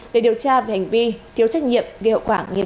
để điều tra về hành vi thiếu trách nhiệm gây hậu quả nghiêm trọng